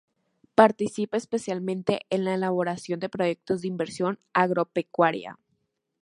Participa especialmente en la elaboración de proyectos de inversión agropecuaria.